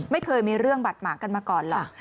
ไม่เคยมีเรื่องบาดหมางกันมาก่อนหรอก